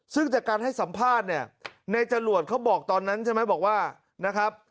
ซึ่งจากการให้สัมภาษณ์เนี่ยในจรวดเขาบอกตอนนั้นใช่ไหมบอกว่านะครับ